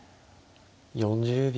４０秒。